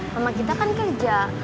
mama kita kan kerja